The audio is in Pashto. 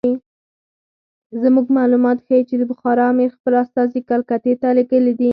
زموږ معلومات ښیي چې د بخارا امیر خپل استازي کلکتې ته لېږلي دي.